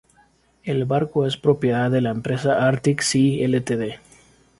El barco es propiedad de la empresa Arctic Sea Ltd.